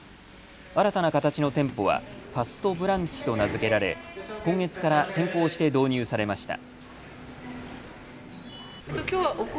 新たな形の店舗はファストブランチと名付けられ今月から先行して導入されました。